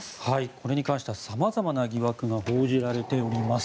これに関しては様々な疑惑が報じられています。